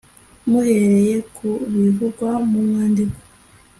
muhereye ku bivugwa mu mwandiko